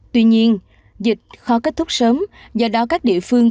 tuy nhiên dịch khó kết thúc sớm do đó các địa phương